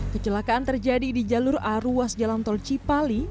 kecelakaan terjadi di jalur arus jalan tol cipali